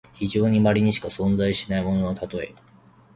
非常にまれにしか存在しないもののたとえ。